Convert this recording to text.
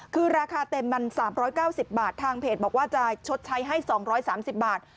คือราคาเต็มมัน๓๙๐บาททางเพจบอกว่าจะชดใช้ให้๒๓๐บาท